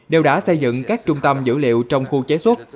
đều đã xây dựng các trung tâm dữ liệu trong khu chế xuất